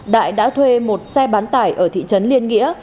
đại đã thuê một xe bán tải ở thị trấn liên nghĩa